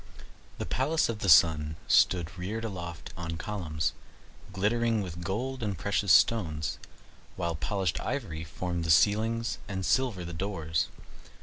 The palace of the Sun stood reared aloft on columns, glittering with gold and precious stones, while polished ivory formed the ceilings, and silver the doors.